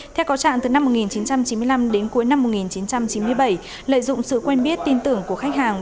theo có trạng từ năm một nghìn chín trăm chín mươi năm đến cuối năm một nghìn chín trăm chín mươi bảy lợi dụng sự quen biết tin tưởng của khách hàng